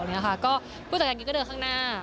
พูดจากอย่างนี้ก็เดินข้างหน้า